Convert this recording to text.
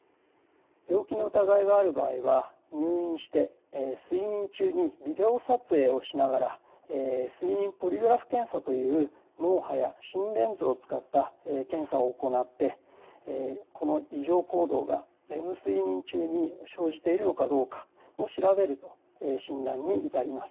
病気の疑いがある場合は入院して睡眠中にビデオ撮影をしながら睡眠ポリグラフ検査という脳波や心電図を使った検査を行ってこの異常行動がレム睡眠中に生じているのかどうかを調べると診断に至ります。